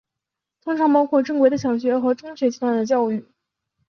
通常包括正规的小学和中学阶段的教育。